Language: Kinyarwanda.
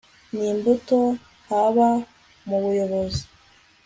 n imbuto haba mubuyobozi